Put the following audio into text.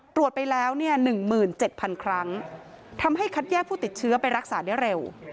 ตรวจไปแล้ว๑๗๐๐ครั้งทำให้คัดแยกผู้ติดเชื้อไปรักษาได้เร็ว